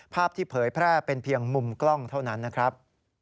ภาพที่เผยแพร่เป็นเพียงมุมกล้องเท่านั้นนะครับ